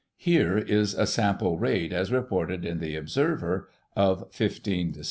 Here is a sample raid as reported in the Observer of 1 5 Dec.